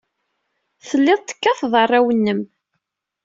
Telliḍ tekkateḍ arraw-nnem.